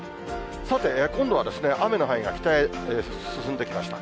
さて、今度は雨の範囲が北へ進んできました。